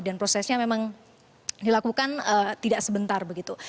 dan prosesnya memang dilakukan tidak sebentar begitu